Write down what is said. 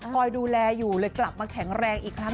คอยดูแลอยู่เลยกลับมาแข็งแรงอีกครั้ง